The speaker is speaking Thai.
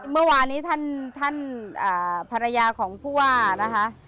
เมื่อวานนี้ท่านภรรยาของผู้ว่านะคะ